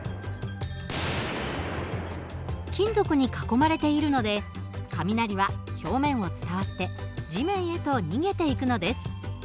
金属に囲まれているので雷は表面を伝わって地面へと逃げていくのです。